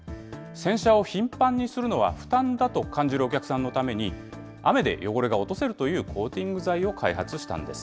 洗車を頻繁にするのは負担だと感じるお客さんのために、雨で汚れが落とせるというコーティング剤を開発したんです。